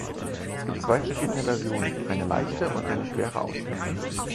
Es gibt zwei verschiedene Versionen, eine leichtere und eine schwere Ausführung.